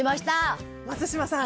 松嶋さん